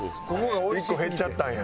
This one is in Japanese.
１個減っちゃったんや。